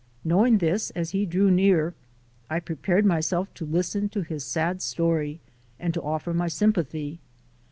Knowing this, as he drew near I prepared myself to listen to his sad story and to offer my sympathy.